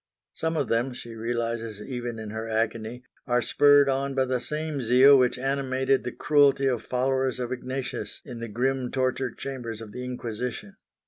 Some of them, she realises even in her agony, are spurred on by the same zeal which animated the cruelty of followers of Ignatius in the grim torture chambers of the Inquisition.